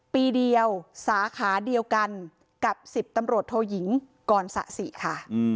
ปีเดียวสาขาเดียวกันกับ๑๐ตำรวจโทยิงกรสะสิค่ะ